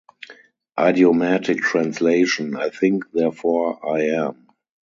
Idiomatic translation: I think, therefore I am.